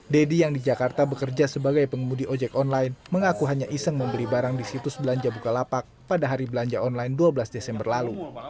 deddy yang di jakarta bekerja sebagai pengemudi ojek online mengaku hanya iseng membeli barang di situs belanja bukalapak pada hari belanja online dua belas desember lalu